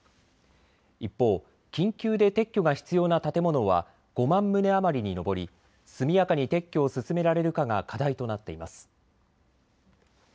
一方、緊急で撤去が必要な建物は５万棟余りに上り速やかに撤去を進められるかが課題となっています。